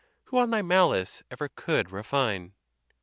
Who on thy malice ever could refine